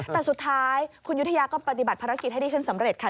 แต่สุดท้ายคุณยุธยาก็ปฏิบัติภารกิจให้ดิฉันสำเร็จค่ะ